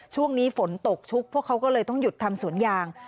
ช่วงนี้ฝนตกชุกพวกเขาก็เลยต้องหยุดทำสวนยาง